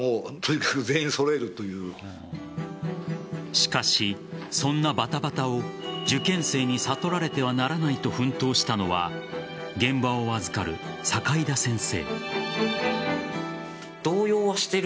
しかし、そんなバタバタを受験生に悟られてはならないと奮闘したのは現場を預かる坂井田先生。